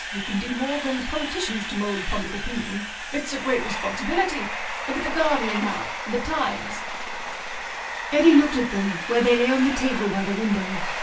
He can do more than the politicians to mould public opinion. It's a great responsibility. Look at the Guardian, now; and the Times." Eddy looked at them, where they lay on the table by the window.